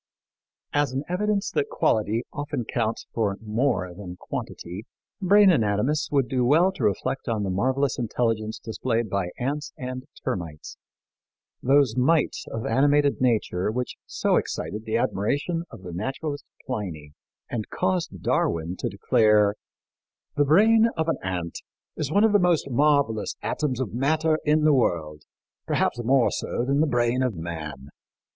As an evidence that quality often counts for more than quantity, brain anatomists would do well to reflect on the marvelous intelligence displayed by ants and termites, those mites of animated nature which so excited the admiration of the naturalist Pliny and caused Darwin to declare, "The brain of an ant is one of the most marvelous atoms of matter in the world, perhaps more so than the brain of man."